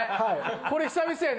これ久々やね。